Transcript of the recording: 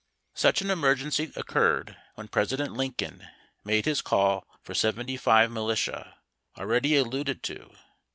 Such an emergency occurred when Presi dent Lincoln made his call for 75,000 militia, already alluded to.